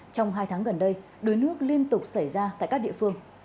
trong hai tháng gần đây đuối nước liên tục xảy ra tại các địa phương